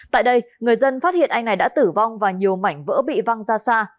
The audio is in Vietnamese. tại đây người dân phát hiện anh này đã tử vong và nhiều mảnh vỡ bị văng ra xa